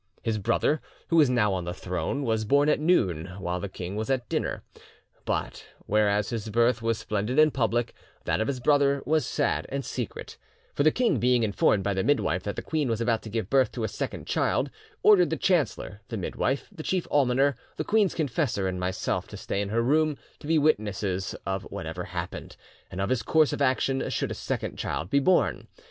His brother, who is now on the throne, was born at noon while the king was at dinner, but whereas his birth was splendid and public, that of his brother was sad and secret; for the king being informed by the midwife that the queen was about to give birth to a second child, ordered the chancellor, the midwife, the chief almoner, the queen's confessor, and myself to stay in her room to be witnesses of whatever happened, and of his course of action should a second child be born.